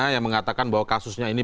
yang mengatakan bahwa kasusnya ini